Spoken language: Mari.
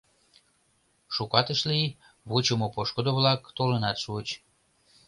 Шукат ыш лий, вучымо пошкудо-влак толынат шуыч.